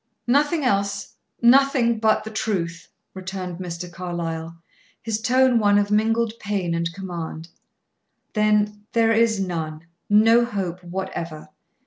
"Nothing else; nothing but the truth," returned Mr. Carlyle, his tone one of mingled pain and command. "Then, there is none; no hope whatever.